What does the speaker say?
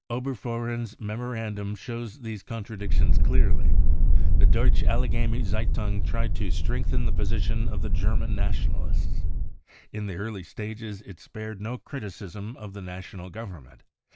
Oberfohren's memorandum shows these con tradictions clearly. The Deutsche Allgemeine Z e ^ un E tried to strengthen the position of the German Nationalises, In the early stages it spared no criticism of the National Govern ment.